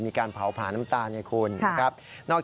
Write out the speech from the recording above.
มีการเผาผาน้ำตาลไงคุณ